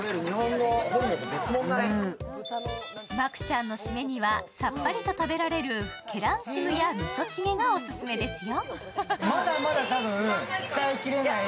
マクチャンのしめには、さっぱりと食べられるケランチムやみそチゲがオススメですよ。